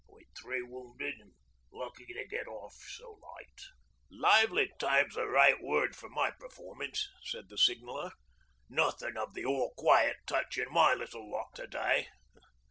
We'd three wounded an' lucky to get off so light.' 'Lively time's the right word for my performance,' said the Signaller. 'Nothin' of the "all quiet" touch in my little lot to day.